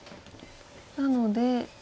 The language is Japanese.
なので。